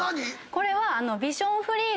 これは。